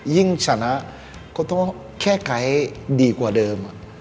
ยิ่งชนะก็ต้องแค่ไขดีกว่าเดิม